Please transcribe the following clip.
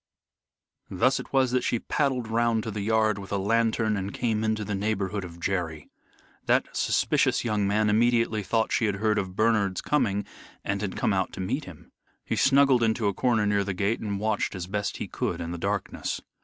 Thus it was that she paddled round to the yard with a lantern and came into the neighborhood of Jerry. That suspicious young man immediately thought she had heard of Bernard's coming and had come out to meet him. He snuggled into a corner near the gate and watched as best he could in the darkness.